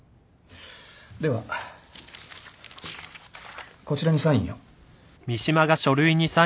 ではこちらにサインを。